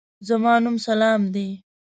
زما نوم سلام دی.